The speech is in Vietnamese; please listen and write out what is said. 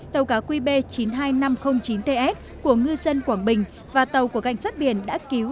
tàu cá qb chín mươi hai nghìn năm trăm linh chín ts của ngư dân quảng bình và tàu của cảnh sát biển đã cứu